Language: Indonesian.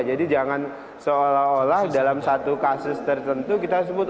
jadi jangan seolah olah dalam satu kasus tertentu kita sebut